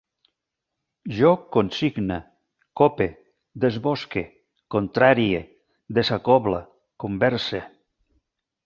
Jo consigne, cope, desbosque, contrarie, desacoble, converse